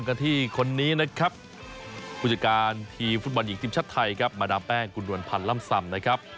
กันที่คนนี้นะครับผู้จัดการทีมฟุตบอลหญิงทีมชาติไทยครับมาดามแป้งคุณนวลพันธ์ล่ำซำนะครับ